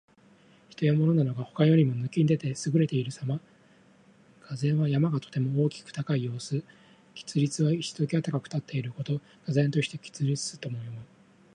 人や物などが、他よりも抜きん出て優れているさま。「巍然」は山がとても大きく高い様子。「屹立」は一際高く立っていること。「巍然として屹立す」とも読む。